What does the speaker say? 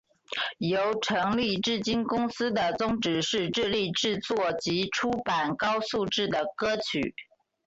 由成立至今公司的宗旨是致力制作及出版高质素的歌曲。